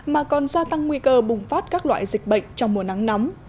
mà còn gia tăng nguy cơ bùng phát các loại dịch bệnh trong mùa nắng nóng